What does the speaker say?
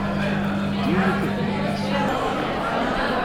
Do you have a booking with us?